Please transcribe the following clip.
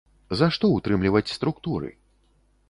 За што ўтрымліваць структуры?